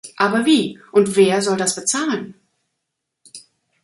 Aber wie, und wer soll das bezahlen?